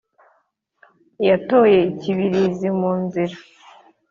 Yatoreye i Kibirizi mu nzira